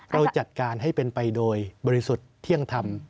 เราจัดการให้เป็นไปโดยบริสุทธิ์เที่ยงธรรม